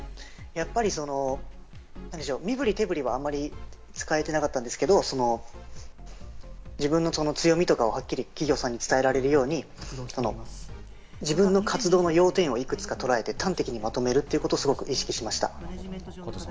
やっぱり身ぶり手ぶりはあまり使えてなかったんですけど、自分の強みとかをはっきり企業さんに伝えられるように、自分の活動の要点をいくつかとらえて、端的にまとめることを意識しました。